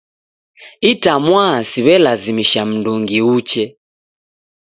Itamwaa siw'elazimisha mndungi uche.